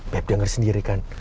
beb denger sendiri kan